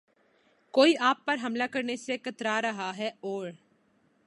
کوئی آپ پر حملہ کرنے سے کترا رہا تھا اور